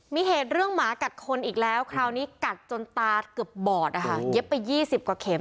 มีเหตุเรื่องหมากัดคนอีกแล้วคราวนี้กัดจนตาเกือบบอดนะคะเย็บไป๒๐กว่าเข็ม